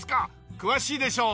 詳しいでしょう？